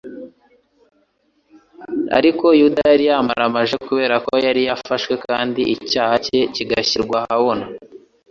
Ariko Yuda yari yamaramaje kubera ko yari yafashwe kandi icyaha cye kigashyirwa ahabona.